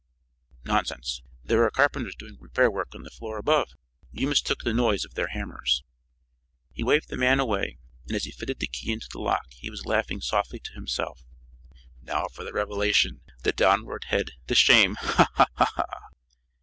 "Nonsense. There are carpenters doing repair work on the floor above. You mistook the noise of their hammers." He waved the man away, and as he fitted the key into the lock he was laughing softly to himself: "Now for the revelation, the downward head, the shame. Ha! Ha! Ha!"